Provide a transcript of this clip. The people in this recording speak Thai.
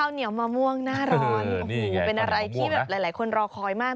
เหนียวมะม่วงหน้าร้อนโอ้โหเป็นอะไรที่แบบหลายคนรอคอยมาก